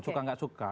suka gak suka